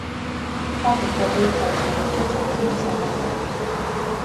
ხალხი ქვევრივით არის, რასაც ჩასძახებ, იმას ამოგძახებს